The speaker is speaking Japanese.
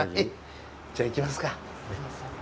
じゃあ行きますか。